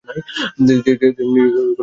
তিনি নিজে কোনদিন এই নাম ব্যবহার করেননি।